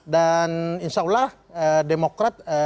dan insya allah demokrat